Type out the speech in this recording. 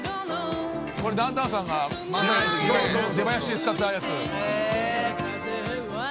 「これダウンタウンさんが漫才のとき出ばやしで使ったやつ」